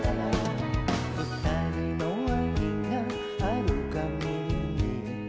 「ふたりの愛があるかぎり」